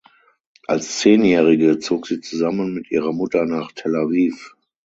Als Zehnjährige zog sie zusammen mit ihrer Mutter nach Tel Aviv.